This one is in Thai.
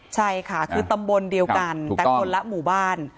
ใช่ค่ะคือตำบลเดียวกันแต่คนละหมู่บ้าน